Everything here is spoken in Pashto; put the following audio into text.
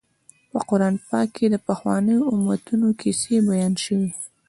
په قران پاک کې د پخوانیو امتونو کیسې بیان شوي.